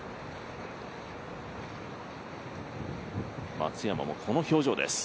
松山もこの表情です。